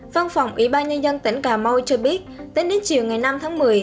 văn phòng ủy ban nhân dân tỉnh cà mau cho biết tính đến chiều ngày năm tháng một mươi